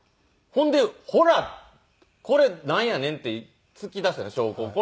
ほんで「ほらこれなんやねん」って突き出したんです証拠を。